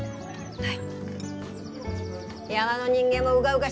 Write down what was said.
はい。